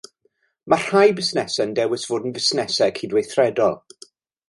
Mae rhai busnesau'n dewis bod yn fusnesau cydweithredol